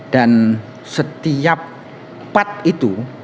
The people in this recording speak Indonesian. dan setiap part itu